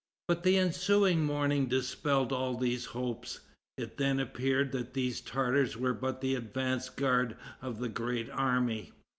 But the ensuing morning dispelled all these hopes. It then appeared that these Tartars were but the advance guard of the great army.